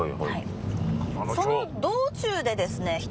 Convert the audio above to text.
その道中でですね